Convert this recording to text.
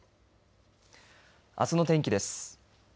あすの天気です。